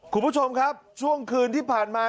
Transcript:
คุณผู้ชมครับช่วงคืนที่ผ่านมา